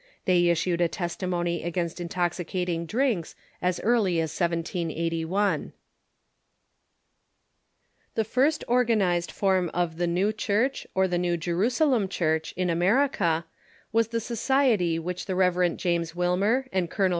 They issued a testimony against intoxicating drinks as early as 1781. 5V0 THE CHURCU IN THE UNITED STATES The first organized form of the New Church, or the New Jerusalem Church, in America, was the society which the Rev. James Wilmer and Col.